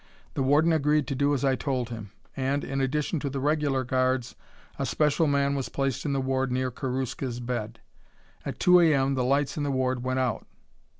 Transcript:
The warden agreed to do as I told him, and, in addition to the regular guards, a special man was placed in the ward near Karuska's bed. At 2 A. M. the lights in the ward went out."